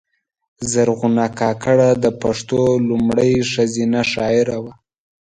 زرغونه کاکړه د پښتو لومړۍ ښځینه شاعره وه